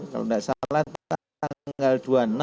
kalau tidak salah tanggal dua puluh enam